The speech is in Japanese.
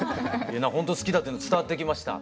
ほんと好きだっていうの伝わってきました。